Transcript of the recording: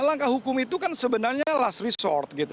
langkah hukum itu kan sebenarnya last resort gitu